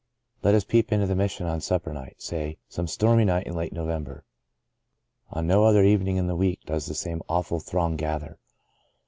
Let us peep into the Mission on Supper Night, say, some stormy night in late No vember. On no other evening in the week does the same awful throng gather.